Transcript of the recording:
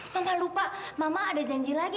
mama lupa mama ada janji lagi